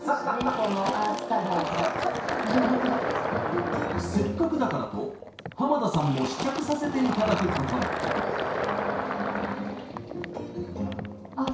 このアースカラーがせっかくだからと濱田さんも試着させていただくことにあっ